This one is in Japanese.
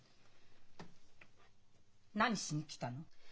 何しに来たの？